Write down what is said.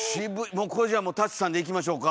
もうこれじゃあもう舘さんでいきましょうか。